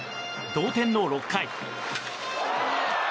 同点の６回。